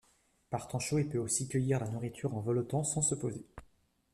Par temps chaud, il peut aussi cueillir la nourriture en voletant, sans se poser.